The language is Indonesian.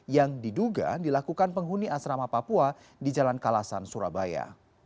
yang diduga dilakukan penghuni asrama papua di jalan kalasan surabaya